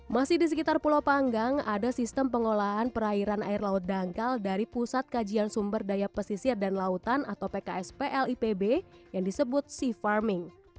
masih di sekitar pulau panggang ada sistem pengolahan perairan air laut dangkal dari pusat kajian sumber daya pesisir dan lautan atau pksplipb yang disebut sea farming